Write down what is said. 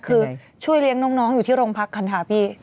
คือช่วยเลี้ยงน้องอยู่ที่โรงพักกันค่ะพี่